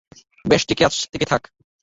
বেশ, টিকে থাক!